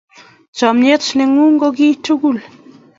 Chomyet ng'uung ko kiy tugul